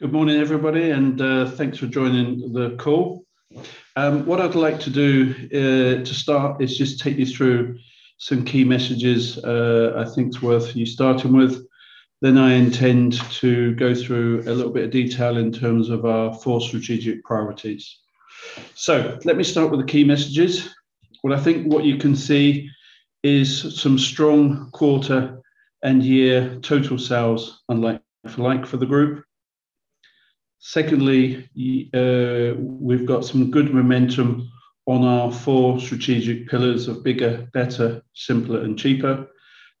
Good morning, everybody, and thanks for joining the call. What I'd like to do to start is just take you through some key messages I think is worth you starting with. I intend to go through a little bit of detail in terms of our four strategic priorities. Let me start with the key messages. You can see is some strong quarter and year total sales and like-for-like for the group. Secondly, we've got some good momentum on our four strategic pillars of bigger, better, simpler, and cheaper.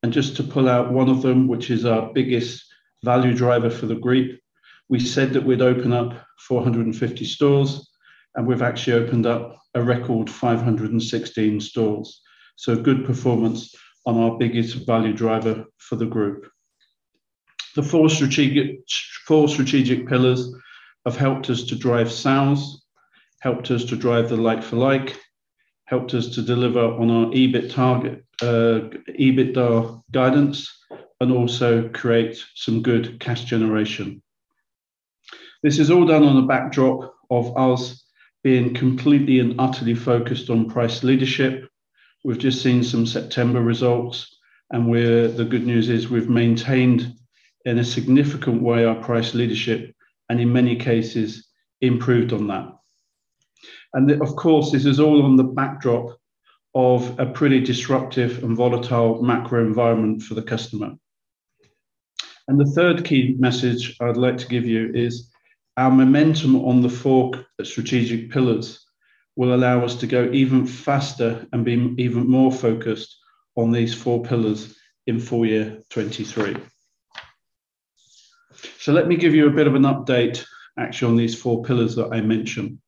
Just to pull out one of them, which is our biggest value driver for the group, we said that we'd open up 450 stores, and we've actually opened up a record 516 stores. Good performance on our biggest value driver for the group. The four strategic pillars have helped us to drive sales, helped us to drive the like-for-like, helped us to deliver on our EBITDA guidance, and also create some good cash generation. This is all done on the backdrop of us being completely and utterly focused on price leadership. We've just seen some September results, the good news is we've maintained, in a significant way, our price leadership, and in many cases improved on that. Of course, this is all on the backdrop of a pretty disruptive and volatile macro environment for the customer. The third key message I'd like to give you is our momentum on the four strategic pillars will allow us to go even faster and be even more focused on these four pillars in full year 2023. Let me give you a bit of an update actually on these four pillars that I mentioned.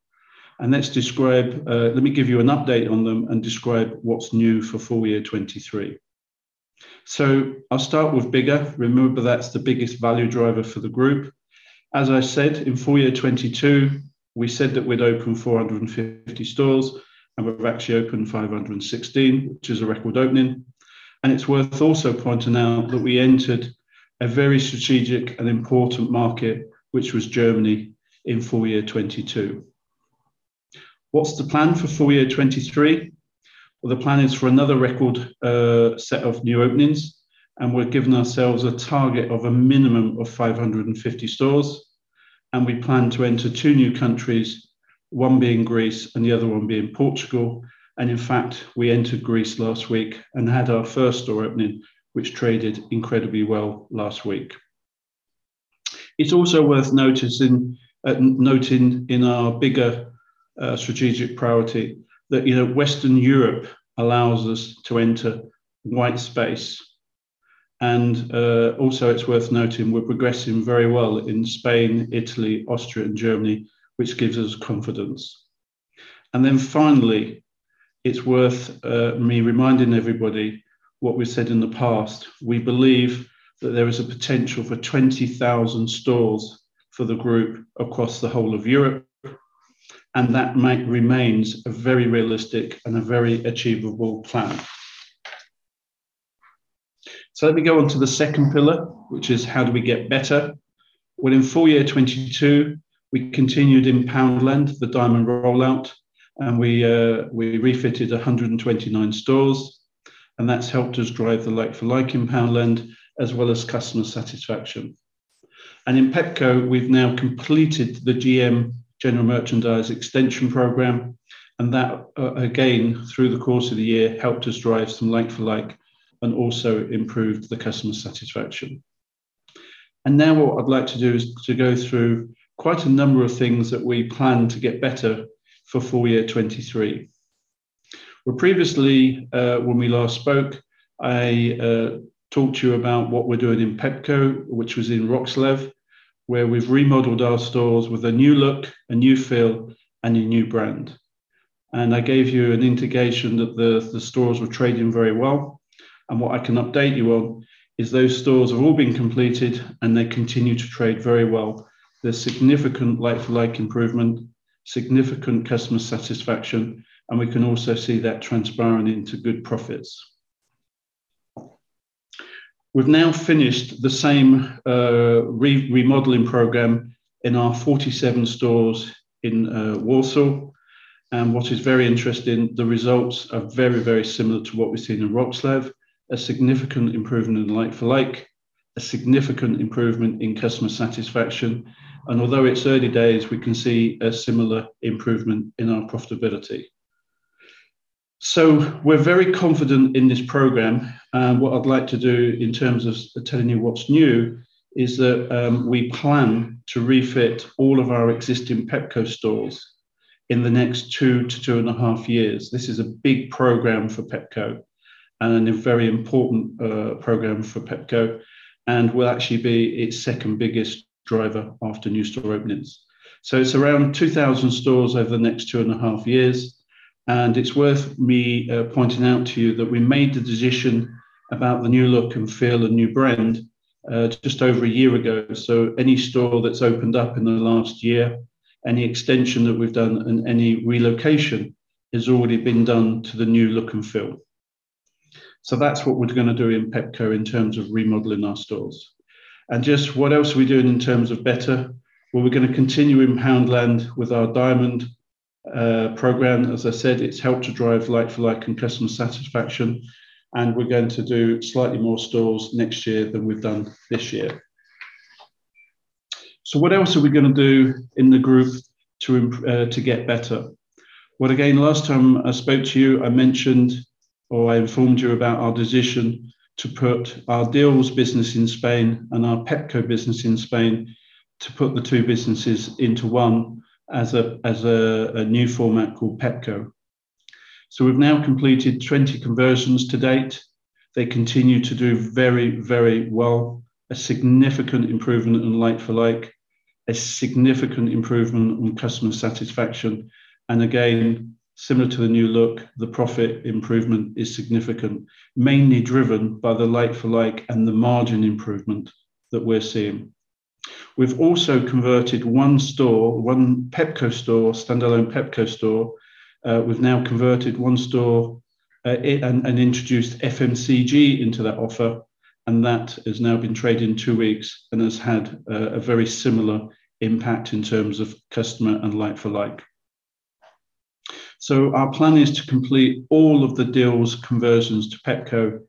Let me give you an update on them and describe what's new for full year 2023. I'll start with bigger. Remember, that's the biggest value driver for the group. As I said, in full year 2022, we said that we'd open 450 stores, and we've actually opened 516, which is a record opening. It's worth also pointing out that we entered a very strategic and important market, which was Germany, in full year 2022. What's the plan for full year 2023? The plan is for another record set of new openings, and we've given ourselves a target of a minimum of 550 stores, and we plan to enter two new countries, one being Greece and the other one being Portugal. In fact, we entered Greece last week and had our first store opening, which traded incredibly well last week. It's also worth noting in our bigger strategic priority that Western Europe allows us to enter white space, and also it's worth noting we're progressing very well in Spain, Italy, Austria, and Germany, which gives us confidence. Finally, it's worth me reminding everybody what we said in the past. We believe that there is a potential for 20,000 stores for the group across the whole of Europe, and that remains a very realistic and a very achievable plan. Let me go on to the second pillar, which is how do we get better. In full year 2022, we continued in Poundland the Diamond rollout, and we refitted 129 stores, and that's helped us drive the like-for-like in Poundland as well as customer satisfaction. In Pepco, we've now completed the GM, general merchandise, extension program, and that, again, through the course of the year, helped us drive some like-for-like and also improved the customer satisfaction. Now what I'd like to do is to go through quite a number of things that we plan to get better for full year 2023. Previously, when we last spoke, I talked to you about what we're doing in Pepco, which was in Wrocław, where we've remodeled our stores with a new look, a new feel, and a new brand. I gave you an indication that the stores were trading very well, and what I can update you on is those stores have all been completed, and they continue to trade very well. There's significant like-for-like improvement, significant customer satisfaction, and we can also see that transpiring into good profits. We've now finished the same remodeling program in our 47 stores in Warsaw. What is very interesting, the results are very, very similar to what we've seen in Wrocław. A significant improvement in like-for-like, a significant improvement in customer satisfaction, and although it's early days, we can see a similar improvement in our profitability. We're very confident in this program, and what I'd like to do in terms of telling you what's new is that we plan to refit all of our existing Pepco stores in the next two to two and a half years. This is a big program for Pepco and a very important program for Pepco and will actually be its second biggest driver after new store openings. It's around 2,000 stores over the next two and a half years, and it's worth me pointing out to you that we made the decision about the new look and feel and new brand just over one year ago, so any store that's opened up in the last year, any extension that we've done and any relocation has already been done to the new look and feel. That's what we're going to do in Pepco in terms of remodeling our stores. Just what else are we doing in terms of better? We're going to continue in Poundland with our Diamond program. As I said, it's helped to drive like-for-like and customer satisfaction. We're going to do slightly more stores next year than we've done this year. What else are we going to do in the group to get better? Again, last time I spoke to you, I mentioned, or I informed you about our decision to put our Dealz business in Spain and our Pepco business in Spain, to put the two businesses into one as a new format called Pepco. We've now completed 20 conversions to date. They continue to do very well. A significant improvement on like-for-like, a significant improvement on customer satisfaction. Again, similar to the new look, the profit improvement is significant, mainly driven by the like-for-like and the margin improvement that we're seeing. We've also converted one store, one Pepco store, standalone Pepco store. We've now converted one store, and introduced FMCG into that offer, and that has now been trading two weeks and has had a very similar impact in terms of customer and like-for-like. Our plan is to complete all of the Dealz conversions to Pepco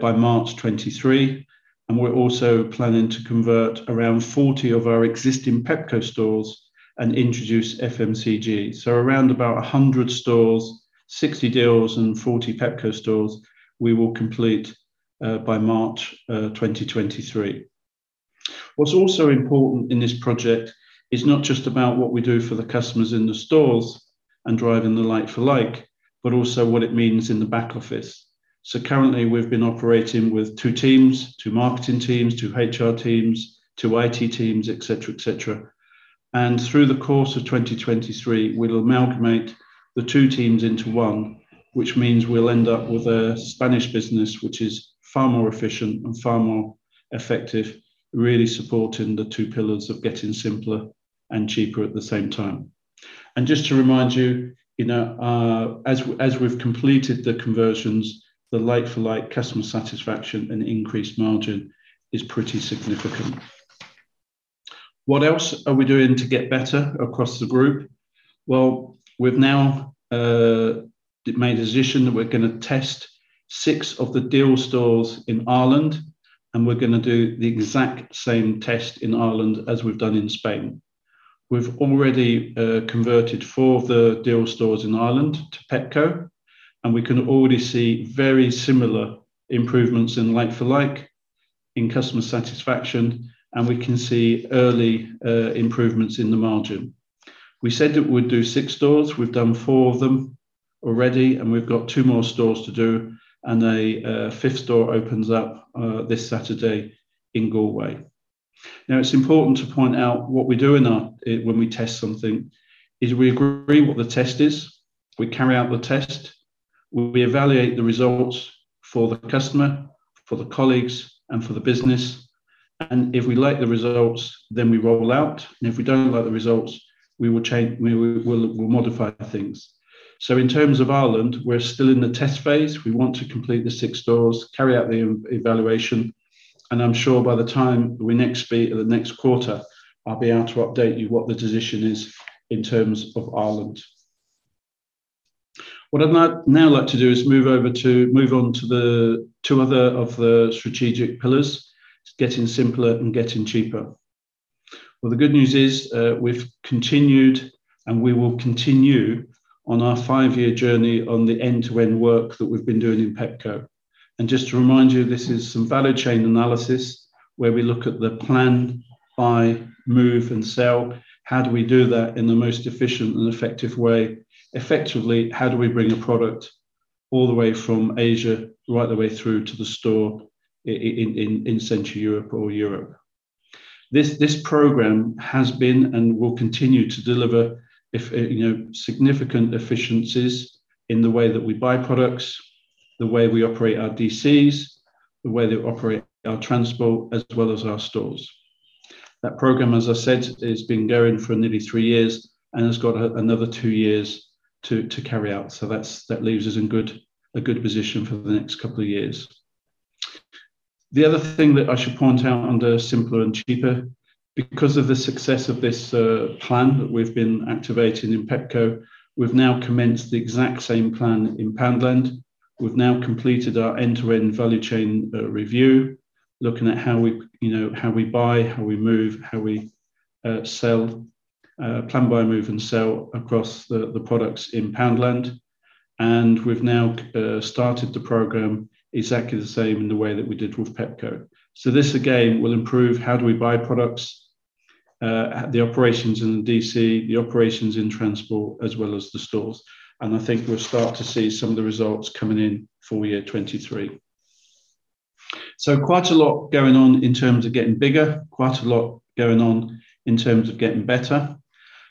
by March 2023. We're also planning to convert around 40 of our existing Pepco stores and introduce FMCG. Around about 100 stores, 60 Dealz and 40 Pepco stores we will complete by March 2023. What's also important in this project is not just about what we do for the customers in the stores and driving the like-for-like, but also what it means in the back office. Currently we've been operating with two teams, two marketing teams, two HR teams, two IT teams, et cetera. Through the course of 2023, we'll amalgamate the two teams into one, which means we'll end up with a Spanish business, which is far more efficient and far more effective, really supporting the two pillars of getting simpler and cheaper at the same time. Just to remind you, as we've completed the conversions, the like-for-like customer satisfaction and increased margin is pretty significant. What else are we doing to get better across the group? We've now made a decision that we're going to test six of the Dealz stores in Ireland. We're going to do the exact same test in Ireland as we've done in Spain. We've already converted four of the Dealz stores in Ireland to Pepco. We can already see very similar improvements in like-for-like in customer satisfaction. We can see early improvements in the margin. We said that we'd do six stores, we've done four of them already. We've got two more stores to do, and a fifth store opens up this Saturday in Galway. It's important to point out what we do when we test something is we agree what the test is. We carry out the test. We evaluate the results for the customer, for the colleagues, and for the business. If we like the results, we roll out. If we don't like the results, we will modify things. In terms of Ireland, we're still in the test phase. We want to complete the six stores, carry out the evaluation. I'm sure by the time we next meet at the next quarter, I'll be able to update you what the decision is in terms of Ireland. What I'd now like to do is move on to two other of the strategic pillars, getting simpler and getting cheaper. The good news is we've continued. We will continue on our five-year journey on the end-to-end work that we've been doing in Pepco. Just to remind you, this is some value chain analysis where we look at the plan, buy, move and sell. How do we do that in the most efficient and effective way? Effectively, how do we bring a product all the way from Asia right the way through to the store in Central Europe or Europe? This program has been and will continue to deliver significant efficiencies in the way that we buy products, the way we operate our DCs, the way that we operate our transport, as well as our stores. That program, as I said, has been going for nearly three years. Has got another two years to carry out. That leaves us in a good position for the next couple of years. The other thing that I should point out under simpler and cheaper, because of the success of this plan that we've been activating in Pepco, we've now commenced the exact same plan in Poundland. We've now completed our end-to-end value chain review, looking at how we buy, how we move, how we sell. Plan, buy, move and sell across the products in Poundland. We've now started the program exactly the same in the way that we did with Pepco. This, again, will improve how do we buy products, the operations in DC, the operations in transport, as well as the stores. I think we'll start to see some of the results coming in full year 2023. Quite a lot going on in terms of getting bigger, quite a lot going on in terms of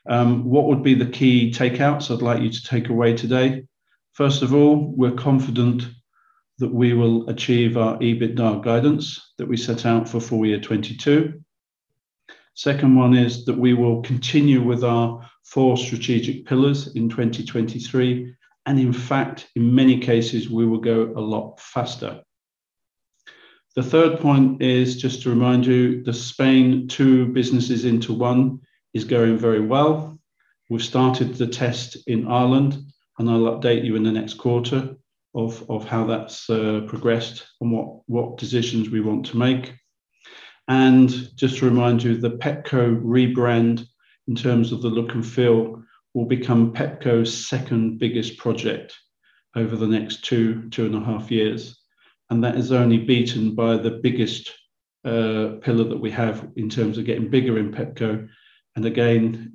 getting better. What would be the key takeouts I'd like you to take away today? First of all, we're confident that we will achieve our EBITDA guidance that we set out for full year 2022. Second one is that we will continue with our four strategic pillars in 2023, in fact, in many cases, we will go a lot faster. The third point is just to remind you, the Spain two businesses into one is going very well. We've started the test in Ireland, I'll update you in the next quarter of how that's progressed and what decisions we want to make. Just to remind you, the Pepco rebrand in terms of the look and feel will become Pepco's second biggest project over the next two and a half years. That is only beaten by the biggest pillar that we have in terms of getting bigger in Pepco. Again,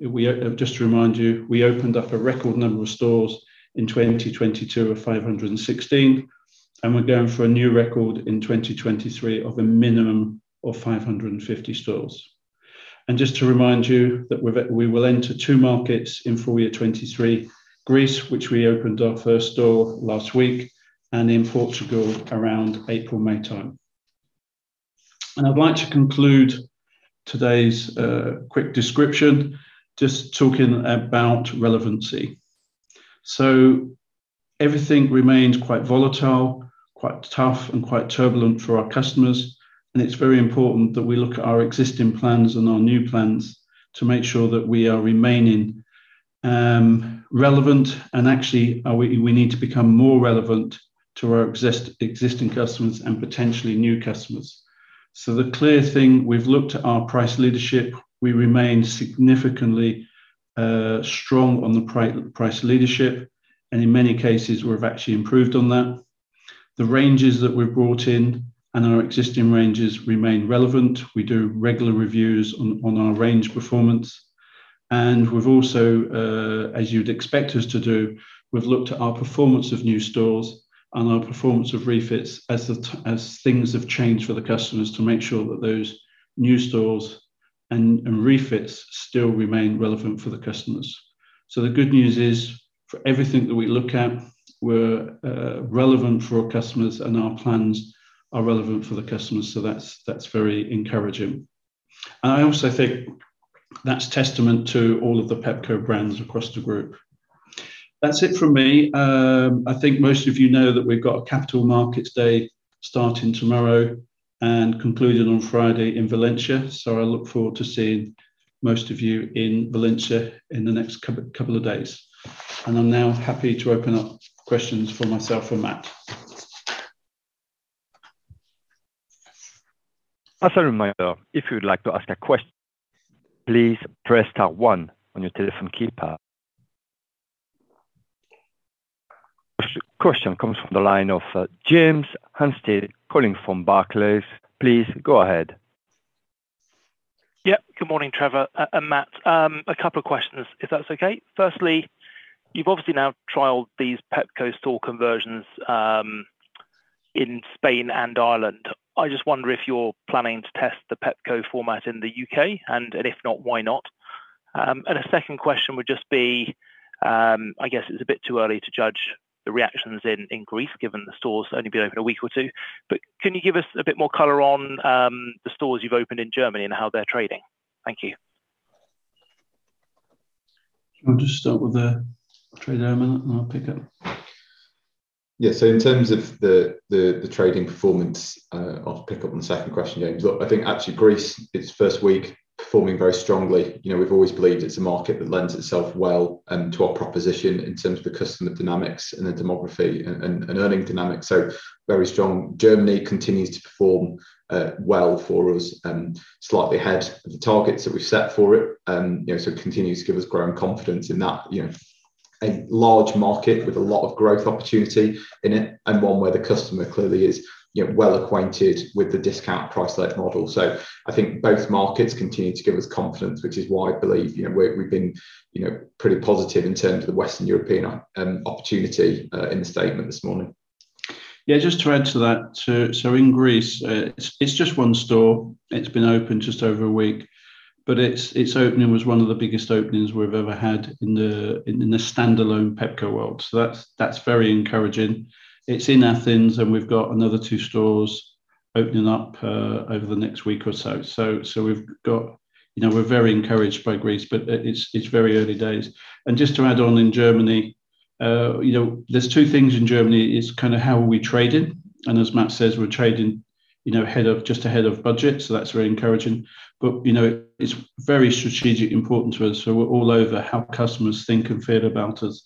just to remind you, we opened up a record number of stores in 2022 of 516, we're going for a new record in 2023 of a minimum of 550 stores. Just to remind you that we will enter two markets in full year 2023, Greece, which we opened our first store last week, in Portugal around April, May time. I'd like to conclude today's quick description, just talking about relevancy. Everything remains quite volatile, quite tough, and quite turbulent for our customers, it's very important that we look at our existing plans and our new plans to make sure that we are remaining relevant, actually, we need to become more relevant to our existing customers and potentially new customers. The clear thing, we've looked at our price leadership. We remain significantly strong on the price leadership, in many cases we've actually improved on that. The ranges that we've brought in and our existing ranges remain relevant. We do regular reviews on our range performance. We've also, as you'd expect us to do, we've looked at our performance of new stores and our performance of refits as things have changed for the customers to make sure that those new stores and refits still remain relevant for the customers. The good news is, for everything that we look at, we're relevant for our customers and our plans are relevant for the customers, that's very encouraging. I also think that's testament to all of the Pepco brands across the group. That's it from me. I think most of you know that we've got a capital markets day starting tomorrow and concluding on Friday in Valencia, so I look forward to seeing most of you in Valencia in the next couple of days. I'm now happy to open up questions for myself and Mat. As a reminder, if you would like to ask a question, please press star one on your telephone keypad. First question comes from the line of James Anstead calling from Barclays. Please go ahead. Yeah. Good morning, Trevor and Mat. A couple of questions if that's okay. Firstly, you've obviously now trialed these Pepco store conversions in Spain and Ireland. I just wonder if you're planning to test the Pepco format in the U.K., and if not, why not? A second question would just be, I guess it's a bit too early to judge the reactions in Greece given the store's only been open a week or two, but can you give us a bit more color on the stores you've opened in Germany and how they're trading? Thank you. I'll just start with the trade element, and I'll pick up. In terms of the trading performance, I'll pick up on the second question, James. Look, I think actually Greece, its first week, performing very strongly. We've always believed it's a market that lends itself well to our proposition in terms of the customer dynamics and the demography and earning dynamics, so very strong. Germany continues to perform well for us, slightly ahead of the targets that we've set for it. It continues to give us growing confidence in that a large market with a lot of growth opportunity in it, and one where the customer clearly is well acquainted with the discount price led model. I think both markets continue to give us confidence, which is why I believe we've been pretty positive in terms of the Western European opportunity in the statement this morning. Just to add to that, in Greece, it's just one store. It's been open just over a week, but its opening was one of the biggest openings we've ever had in the standalone Pepco world. That's very encouraging. It's in Athens, and we've got another two stores opening up over the next week or so. We're very encouraged by Greece, but it's very early days. Just to add on in Germany, there's two things in Germany is how are we trading, and as Mat says, we're trading just ahead of budget, so that's very encouraging. It's very strategically important to us, so we're all over how customers think and feel about us.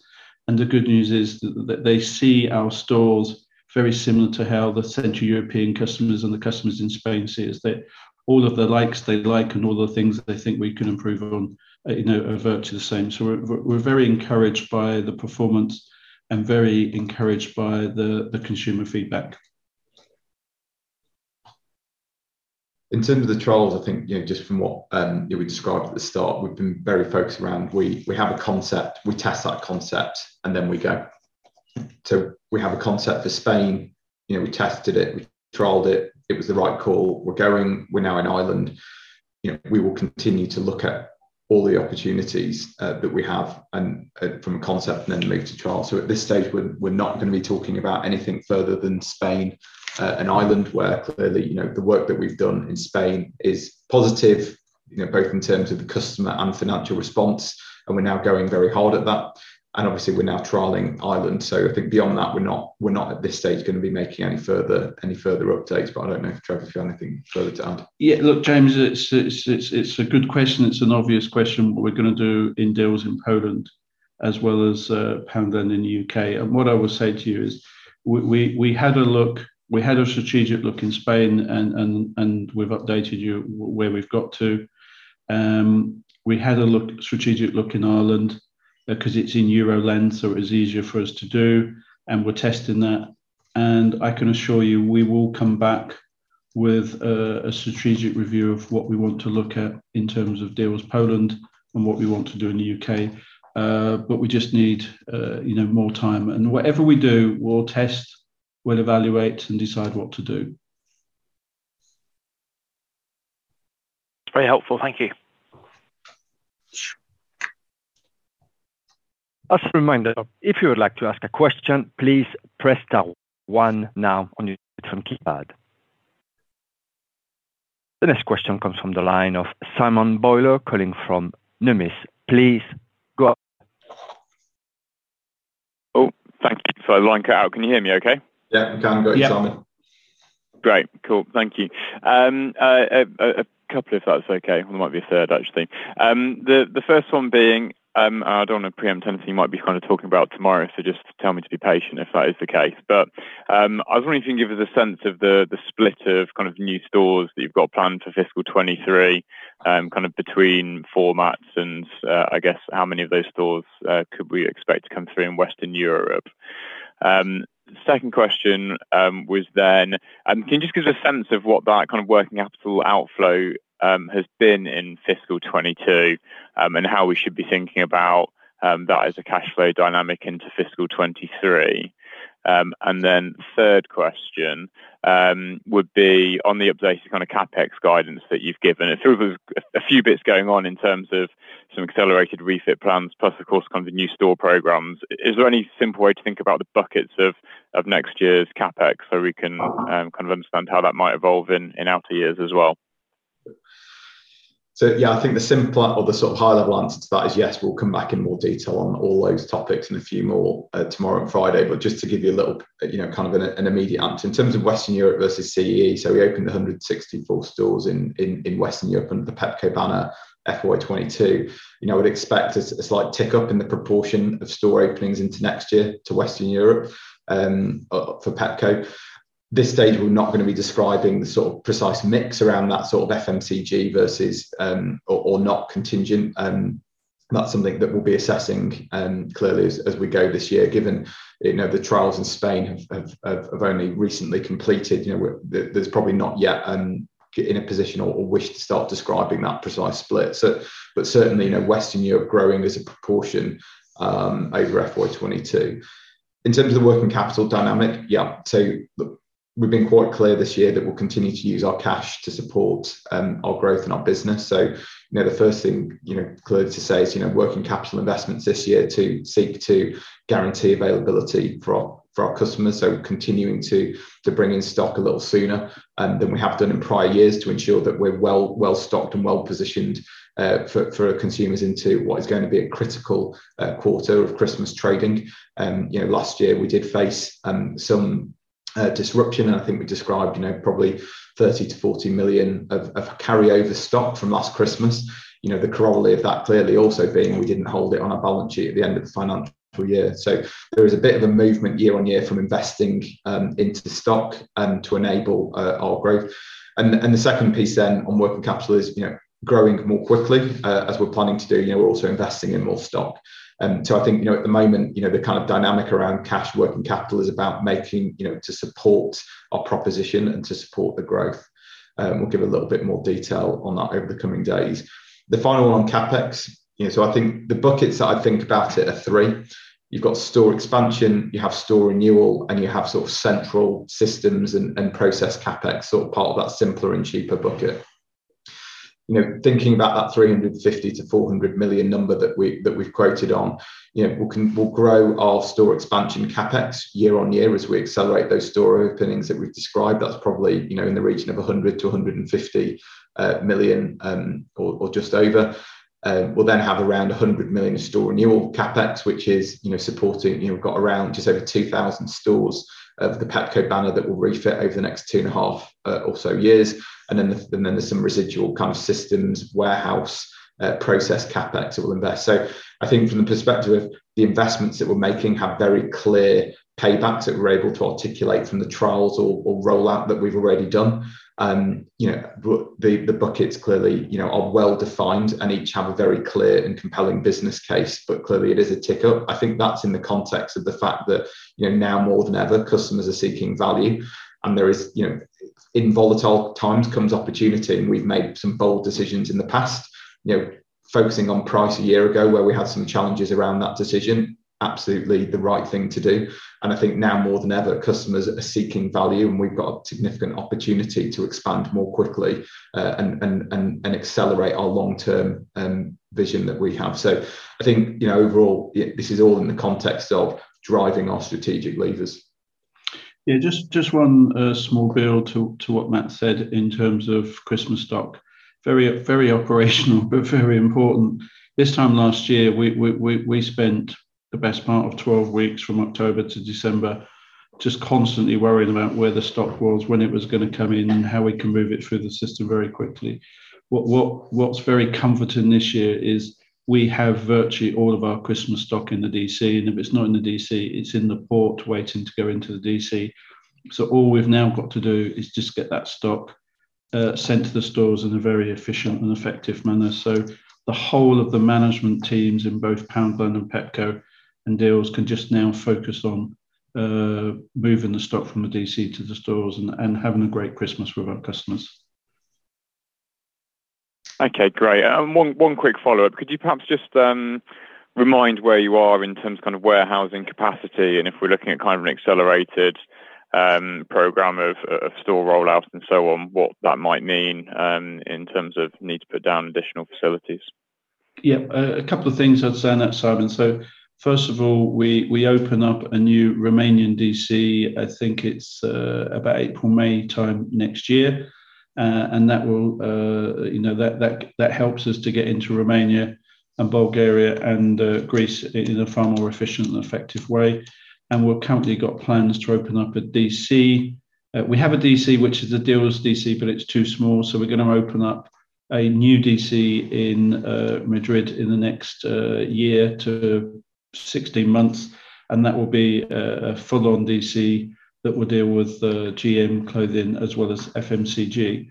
The good news is that they see our stores very similar to how the Central European customers and the customers in Spain see us, that all of the likes they like and all the things that they think we can improve on are virtually the same. We're very encouraged by the performance and very encouraged by the consumer feedback. In terms of the trials, I think just from what we described at the start, we've been very focused around we have a concept, we test that concept, and then we go. We have a concept for Spain. We tested it. We trialed it. It was the right call. We're going. We're now in Ireland. We will continue to look at all the opportunities that we have and from concept, then move to trial. At this stage, we're not going to be talking about anything further than Spain and Ireland, where clearly the work that we've done in Spain is positive both in terms of the customer and financial response, and we're now going very hard at that. Obviously, we're now trialing Ireland. I think beyond that, we're not at this stage going to be making any further updates. I don't know, Trevor, if you have anything further to add. Yeah, look, James, it's a good question. It's an obvious question, what we're going to do in Dealz in Poland as well as Poundland in the U.K. What I would say to you is we had a strategic look in Spain, we've updated you where we've got to. We had a strategic look in Ireland because it's in Euroland, it was easier for us to do, and we're testing that. I can assure you, we will come back with a strategic review of what we want to look at in terms of Dealz Poland and what we want to do in the U.K. We just need more time. Whatever we do, we'll test, we'll evaluate, and decide what to do. Very helpful. Thank you. As a reminder, if you would like to ask a question, please press star one now on your telephone keypad. The next question comes from the line of Simon Bowler calling from Numis. Oh, thank you. Sorry, the line cut out. Can you hear me okay? Yeah, we can. Go ahead, Simon. Great. Cool. Thank you. A couple if that's okay. There might be a third, actually. The first one being, I don't want to preempt anything you might be talking about tomorrow, so just tell me to be patient if that is the case. I was wondering if you can give us a sense of the split of new stores that you've got planned for fiscal 2023, between formats and I guess how many of those stores could we expect to come through in Western Europe? Second question was, can you just give us a sense of what that kind of working capital outflow has been in fiscal 2022 and how we should be thinking about that as a cash flow dynamic into fiscal 2023? Third question would be on the updated kind of CapEx guidance that you've given. There's a few bits going on in terms of some accelerated refit plans plus, of course, the new store programs. Is there any simple way to think about the buckets of next year's CapEx so we can. understand how that might evolve in outer years as well? Yeah, I think the simple or the high-level answer to that is yes, we'll come back in more detail on all those topics and a few more tomorrow and Friday. Just to give you a little, kind of an immediate answer. In terms of Western Europe versus CEE, we opened 164 stores in Western Europe under the Pepco banner, FY 2022. I would expect a slight tick up in the proportion of store openings into next year to Western Europe for Pepco. This stage, we're not going to be describing the sort of precise mix around that sort of FMCG versus or not contingent. That's something that we'll be assessing clearly as we go this year, given the trials in Spain have only recently completed. There's probably not yet in a position or wish to start describing that precise split. Certainly, Western Europe growing as a proportion over FY 2022. In terms of the working capital dynamic, yeah, look, we've been quite clear this year that we'll continue to use our cash to support our growth and our business. The first thing clearly to say is working capital investments this year to seek to guarantee availability for our customers, continuing to bring in stock a little sooner than we have done in prior years to ensure that we're well stocked and well-positioned for our consumers into what is going to be a critical quarter of Christmas trading. Last year we did face some disruption, and I think we described probably 30 million-40 million of carryover stock from last Christmas. The corollary of that clearly also being we didn't hold it on our balance sheet at the end of the financial year. There is a bit of a movement year on year from investing into stock and to enable our growth. The second piece then on working capital is growing more quickly, as we're planning to do. We're also investing in more stock. I think at the moment, the kind of dynamic around cash working capital is about making to support our proposition and to support the growth. We'll give a little bit more detail on that over the coming days. The final one on CapEx. I think the buckets that I'd think about it are three. You've got store expansion, you have store renewal, and you have sort of central systems and process CapEx, sort of part of that simpler and cheaper bucket. Thinking about that 350 million-400 million number that we've quoted on, we'll grow our store expansion CapEx year-on-year as we accelerate those store openings that we've described. That's probably in the region of 100 million-150 million or just over. We'll have around 100 million of store renewal CapEx, which is supporting, we've got around just over 2,000 stores of the Pepco banner that we'll refit over the next two and a half or so years. There's some residual kind of systems warehouse process CapEx that we'll invest. I think from the perspective of the investments that we're making have very clear paybacks that we're able to articulate from the trials or rollout that we've already done. The buckets clearly are well defined and each have a very clear and compelling business case, clearly it is a tick up. I think that's in the context of the fact that now more than ever, customers are seeking value. In volatile times comes opportunity, we've made some bold decisions in the past. Focusing on price a year ago, where we had some challenges around that decision, absolutely the right thing to do. I think now more than ever, customers are seeking value, and we've got a significant opportunity to expand more quickly and accelerate our long-term vision that we have. I think overall, this is all in the context of driving our strategic levers. Yeah, just one small build to what Mat said in terms of Christmas stock. Very operational, but very important. This time last year, we spent the best part of 12 weeks from October to December just constantly worrying about where the stock was, when it was going to come in, and how we can move it through the system very quickly. What's very comforting this year is we have virtually all of our Christmas stock in the DC, and if it's not in the DC, it's in the port waiting to go into the DC. All we've now got to do is just get that stock sent to the stores in a very efficient and effective manner. The whole of the management teams in both Poundland and Pepco and Dealz can just now focus on moving the stock from the DC to the stores and having a great Christmas with our customers. Okay, great. One quick follow-up. Could you perhaps just remind where you are in terms of warehousing capacity and if we're looking at an accelerated program of store roll-out and so on, what that might mean in terms of need to put down additional facilities? Yeah. A couple of things I'd say on that, Simon. First of all, we open up a new Romanian DC, I think it's about April, May time next year. That helps us to get into Romania and Bulgaria and Greece in a far more efficient and effective way. We've currently got plans to open up a DC. We have a DC, which is the Dealz DC, but it's too small, so we're going to open up a new DC in Madrid in the next year to 16 months, and that will be a full-on DC that will deal with the GM clothing as well as FMCG.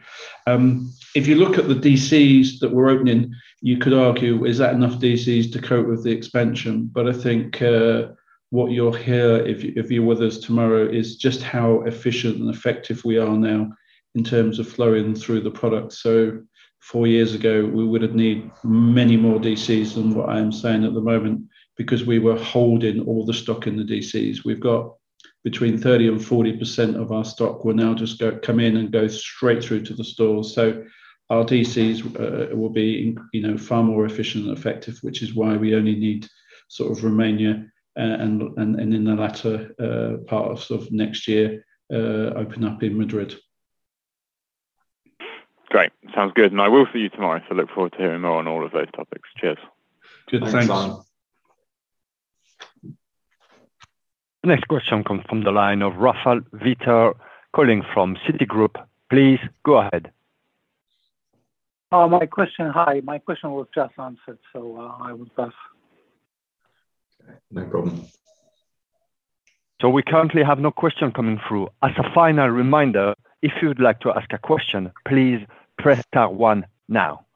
If you look at the DCs that we're opening, you could argue, is that enough DCs to cope with the expansion? I think what you'll hear, if you're with us tomorrow, is just how efficient and effective we are now in terms of flowing through the product. Four years ago, we would have needed many more DCs than what I am saying at the moment because we were holding all the stock in the DCs. We've got between 30% and 40% of our stock will now just come in and go straight through to the stores. Our DCs will be far more efficient and effective, which is why we only need Romania, and in the latter part of next year, open up in Madrid. Great. Sounds good. I will see you tomorrow, look forward to hearing more on all of those topics. Cheers. Cheers, Simon. Thanks. Next question comes from the line of Rafal Wiater calling from Citigroup. Please go ahead. Hi. My question was just answered. I will pass. No problem. We currently have no question coming through. As a final reminder, if you'd like to ask a question, please press star one now.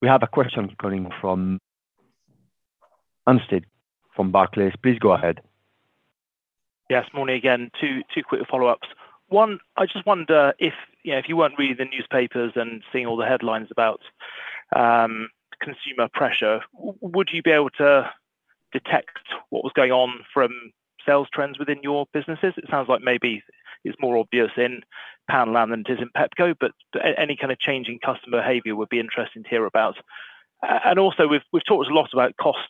We have a question coming from Anstead from Barclays. Please go ahead. Yes. Morning again. Two quick follow-ups. One, I just wonder if you weren't reading the newspapers and seeing all the headlines about consumer pressure, would you be able to detect what was going on from sales trends within your businesses? It sounds like maybe it's more obvious in Poundland than it is in Pepco, but any kind of change in customer behavior would be interesting to hear about. Also, we've talked a lot about cost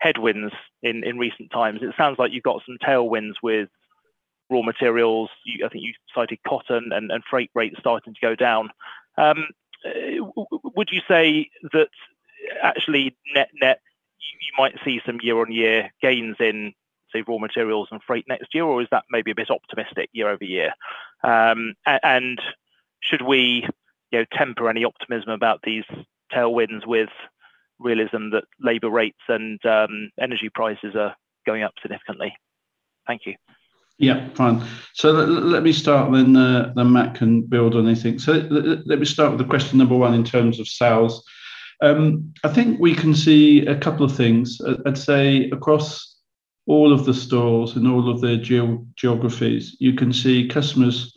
headwinds in recent times. It sounds like you got some tailwinds with raw materials. I think you cited cotton and freight rates starting to go down. Would you say that actually net net you might see some year-on-year gains in, say, raw materials and freight next year, or is that maybe a bit optimistic year-over-year? Should we temper any optimism about these tailwinds with realism that labor rates and energy prices are going up significantly? Thank you. Yeah, fine. Let me start, then Mat can build on this. Let me start with the question number 1 in terms of sales. I think we can see a couple of things. I'd say across all of the stores and all of their geographies, you can see customers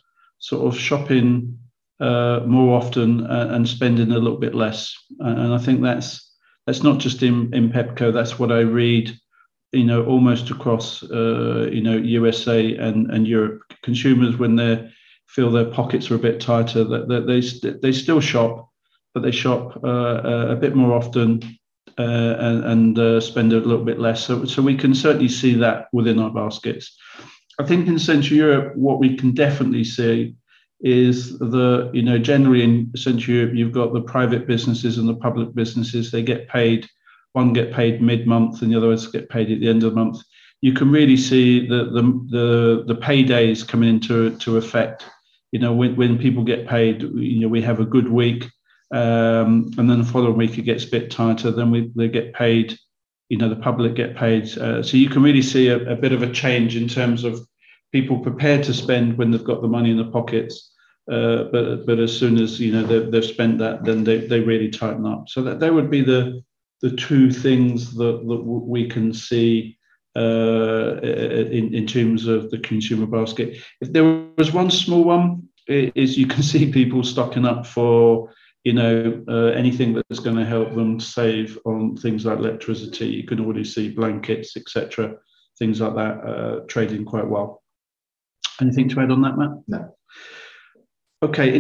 shopping more often and spending a little bit less. I think that's not just in Pepco. That's what I read almost across U.S.A. and Europe. Consumers, when they feel their pockets are a bit tighter, they still shop, but they shop a bit more often and spend a little bit less. We can certainly see that within our baskets. I think in Central Europe, what we can definitely see is generally in Central Europe, you've got the private businesses and the public businesses. One get paid mid-month. The other ones get paid at the end of the month. You can really see the pay days coming into effect. When people get paid, we have a good week. The following week it gets a bit tighter. The public get paid. You can really see a bit of a change in terms of people prepare to spend when they've got the money in their pockets. As soon as they've spent that, they really tighten up. That would be the two things that we can see in terms of the consumer basket. If there was one small one, you can see people stocking up for anything that's going to help them save on things like electricity. You can already see blankets, et cetera, things like that trading quite well. Anything to add on that, Mat? No. Okay.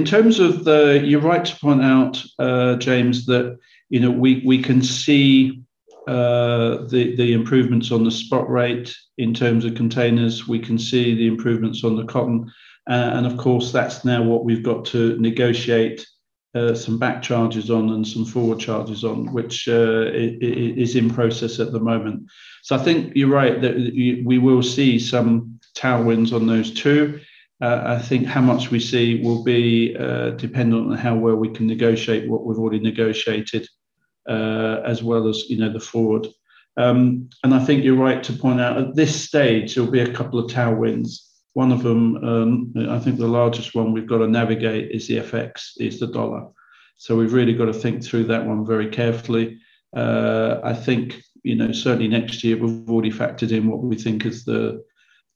You're right to point out, James, that we can see the improvements on the spot rate in terms of containers. We can see the improvements on the cotton. Of course, that's now what we've got to negotiate some back charges on and some forward charges on, which is in process at the moment. I think you're right that we will see some tailwinds on those two. I think how much we see will be dependent on how well we can negotiate what we've already negotiated, as well as the forward. I think you're right to point out at this stage, there will be a couple of tailwinds. One of them, I think the largest one we've got to navigate is the FX, is the USD. We've really got to think through that one very carefully. I think certainly next year we've already factored in what we think is the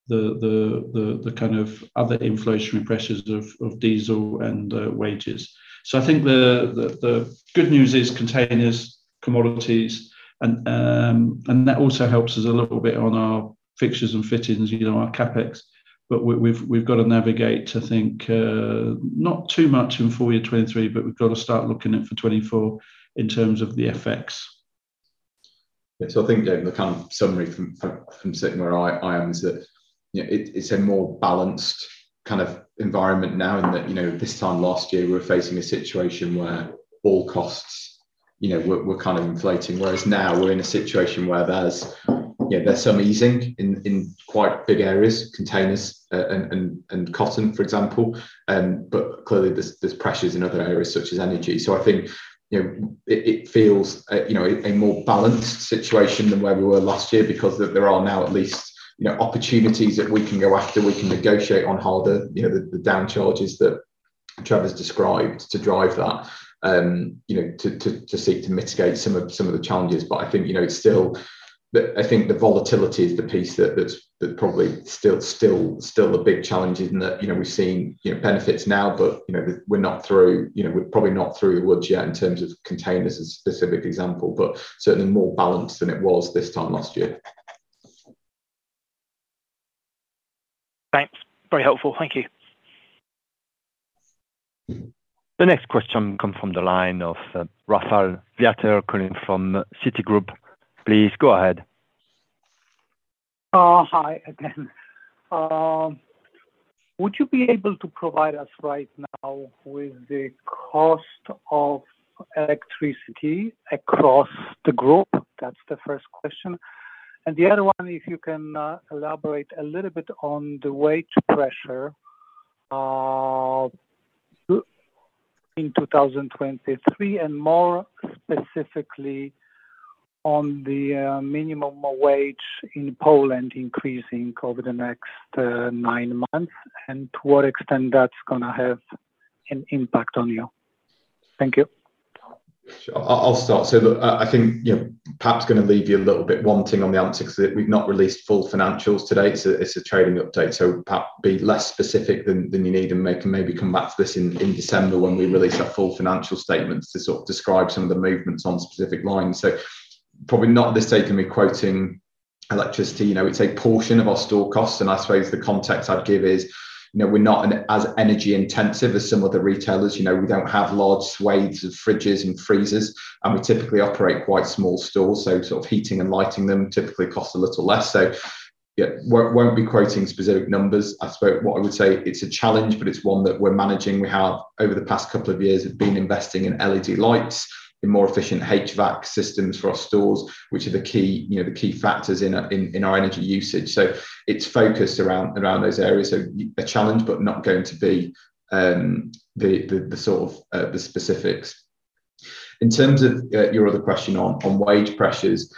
kind of other inflationary pressures of diesel and wages. I think the good news is containers, commodities, and that also helps us a little bit on our fixtures and fittings, our CapEx. We've got to navigate, I think, not too much in full year 2023, but we've got to start looking at for 2024 in terms of the FX. I think, James, the kind of summary from sitting where I am is that it's a more balanced kind of environment now in that this time last year we were facing a situation where all costs were kind of inflating, whereas now we're in a situation where there's some easing in quite big areas, containers and cotton, for example. Clearly there's pressures in other areas such as energy. I think it feels a more balanced situation than where we were last year because there are now at least opportunities that we can go after, we can negotiate on harder, the down charges that Trevor's described to drive that, to seek to mitigate some of the challenges. I think the volatility is the piece that's probably still a big challenge in that we're seeing benefits now, but we're probably not through the woods yet in terms of containers as a specific example, but certainly more balanced than it was this time last year. Thanks. Very helpful. Thank you. The next question comes from the line of Rafal Wiater calling from Citigroup. Please go ahead. Hi again. Would you be able to provide us right now with the cost of electricity across the group? That's the first question. The other one, if you can elaborate a little bit on the wage pressure in 2023, and more specifically on the minimum wage in Poland increasing over the next nine months, and to what extent that's going to have an impact on you. Thank you. Sure. I'll start. I think Pepco's going to leave you a little bit wanting on the answer because we've not released full financials today. It's a trading update. Perhaps be less specific than you need and maybe come back to this in December when we release our full financial statements to describe some of the movements on specific lines. Probably not this day going to be quoting electricity. It's a portion of our store costs, and I suppose the context I'd give is we're not as energy intensive as some other retailers. We don't have large swathes of fridges and freezers, and we typically operate quite small stores, so heating and lighting them typically costs a little less. Won't be quoting specific numbers. I suppose what I would say it's a challenge, but it's one that we're managing. We have, over the past couple of years, been investing in LED lights, in more efficient HVAC systems for our stores, which are the key factors in our energy usage. It's focused around those areas. A challenge, but not going to be the sort of specifics. In terms of your other question on wage pressures.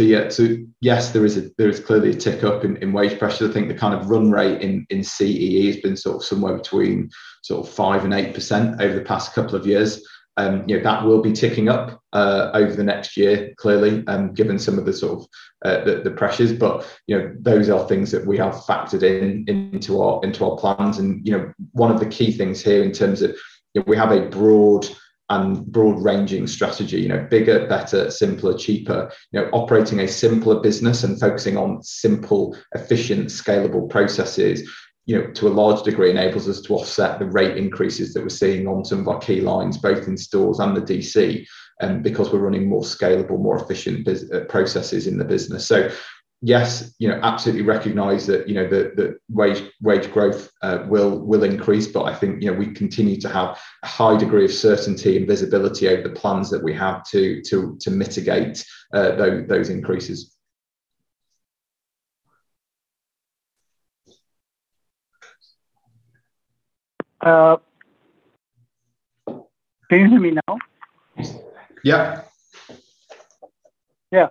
Yes, there is clearly a tick up in wage pressures. I think the kind of run rate in CEE has been somewhere between 5% and 8% over the past couple of years. That will be ticking up over the next year, clearly, given some of the pressures. Those are things that we have factored into our plans. One of the key things here in terms of we have a broad-ranging strategy, bigger, better, simpler, cheaper. Operating a simpler business and focusing on simple, efficient, scalable processes to a large degree enables us to offset the rate increases that we're seeing on some of our key lines, both in stores and the DC, because we're running more scalable, more efficient processes in the business. Yes, absolutely recognize that wage growth will increase, but I think we continue to have a high degree of certainty and visibility over the plans that we have to mitigate those increases. Can you hear me now? Yeah. Yeah.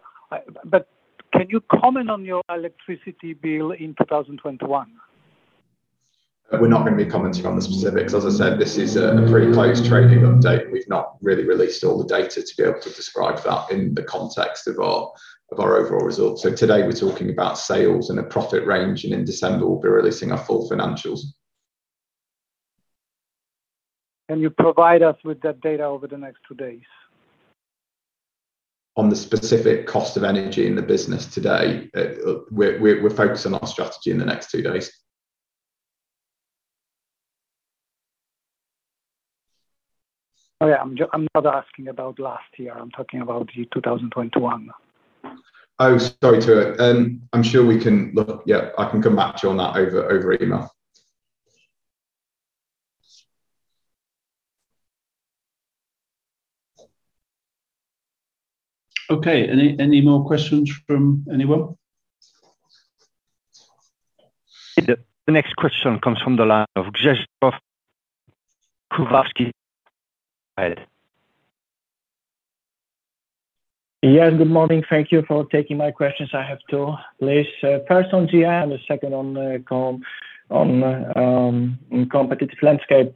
Can you comment on your electricity bill in 2021? We're not going to be commenting on the specifics. As I said, this is a pretty close trading update. We've not really released all the data to be able to describe that in the context of our overall results. Today, we're talking about sales and a profit range, and in December we'll be releasing our full financials. Can you provide us with that data over the next two days? On the specific cost of energy in the business today, we're focused on our strategy in the next two days. Oh, yeah. I'm not asking about last year. I'm talking about the 2021. Oh, sorry. I'm sure we can look. Yeah, I can come back to you on that over email. Okay. Any more questions from anyone? The next question comes from the line of Zbigniew Kucharski. Go ahead. Yes, good morning. Thank you for taking my questions. I have two. First on GM and the second on competitive landscape.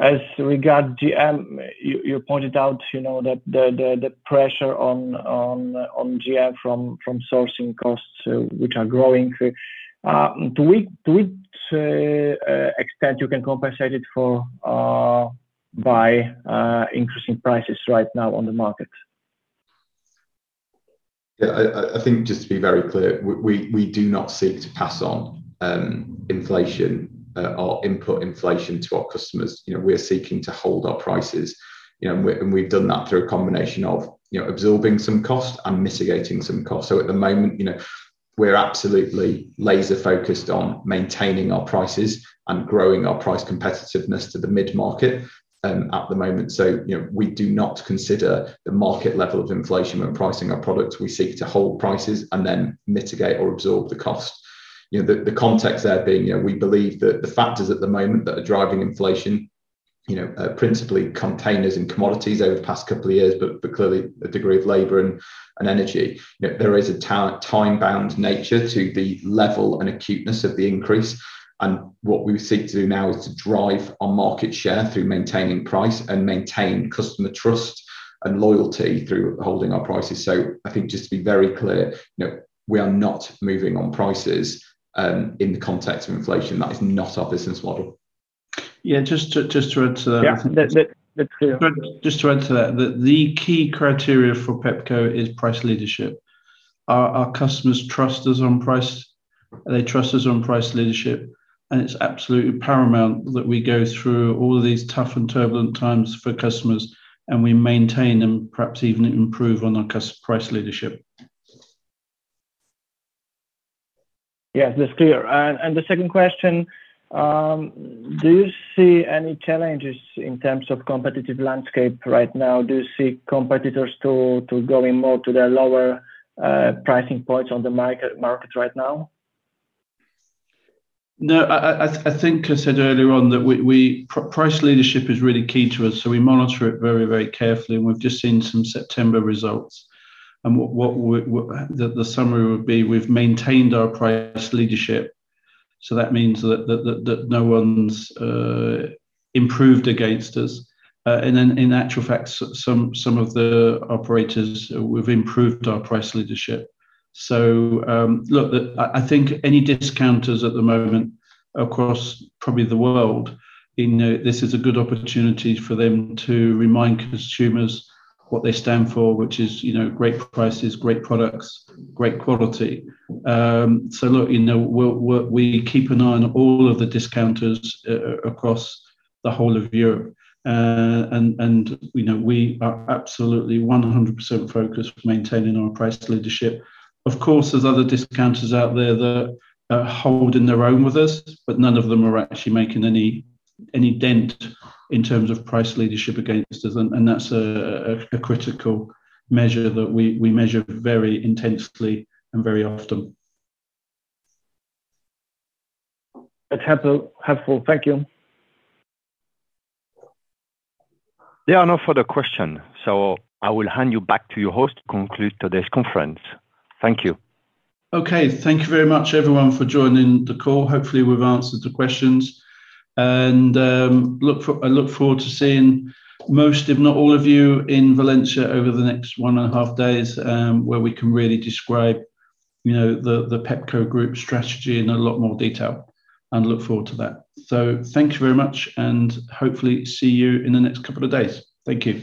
As regard GM, you pointed out that the pressure on GM from sourcing costs, which are growing. To which extent you can compensate it for by increasing prices right now on the market? Yeah. I think just to be very clear, we do not seek to pass on inflation or input inflation to our customers. We're seeking to hold our prices. We've done that through a combination of absorbing some cost and mitigating some cost. At the moment, we're absolutely laser focused on maintaining our prices and growing our price competitiveness to the mid-market at the moment. We do not consider the market level of inflation when pricing our products. We seek to hold prices and then mitigate or absorb the cost. The context there being, we believe that the factors at the moment that are driving inflation are principally containers and commodities over the past couple of years, but clearly a degree of labor and energy. There is a time-bound nature to the level and acuteness of the increase, what we seek to do now is to drive our market share through maintaining price and maintain customer trust and loyalty through holding our prices. I think just to be very clear, we are not moving on prices, in the context of inflation. That is not our business model. Yeah. Yeah. That's clear Just to add to that, the key criteria for Pepco is price leadership. Our customers trust us on price. They trust us on price leadership, and it's absolutely paramount that we go through all of these tough and turbulent times for customers, we maintain and perhaps even improve on our price leadership. Yes, that's clear. The second question, do you see any challenges in terms of competitive landscape right now? Do you see competitors going more to their lower pricing points on the market right now? No. I think I said earlier on that price leadership is really key to us, we monitor it very carefully, we've just seen some September results. The summary would be we've maintained our price leadership. That means that no one's improved against us. In actual fact, some of the operators, we've improved our price leadership. Look, I think any discounters at the moment across probably the world, this is a good opportunity for them to remind consumers what they stand for, which is great prices, great products, great quality. Look, we keep an eye on all of the discounters across the whole of Europe. We are absolutely 100% focused maintaining our price leadership. Of course, there's other discounters out there that are holding their own with us, but none of them are actually making any dent in terms of price leadership against us, and that's a critical measure that we measure very intensely and very often. That's helpful. Thank you. There are no further questions. I will hand you back to your host to conclude today's conference. Thank you. Okay. Thank you very much, everyone, for joining the call. Hopefully, we've answered the questions. I look forward to seeing most, if not all of you, in Valencia over the next one and a half days, where we can really describe the Pepco Group strategy in a lot more detail. Look forward to that. Thank you very much, and hopefully, see you in the next couple of days. Thank you.